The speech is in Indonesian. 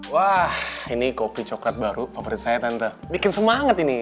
wah ini kopi coklat baru favorit saya tante bikin semangat ini